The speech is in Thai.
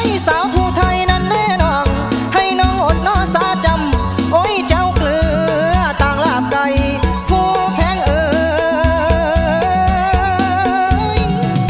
แพงเอ๋ยสาวผู้ไทยนั้นแน่นอนให้น้องอดน้อสาจำโอ้ยเจ้าเกลือต่างหลาบไก่ผู้แพงเอ๋ย